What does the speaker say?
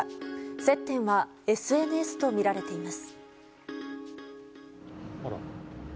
接点はＳＮＳとみられています。